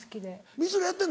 光浦やってんの？